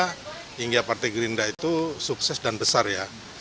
karena hingga partai gerinda itu sukses dan besar ya